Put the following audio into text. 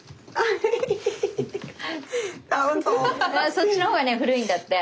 そっちの方がね古いんだって。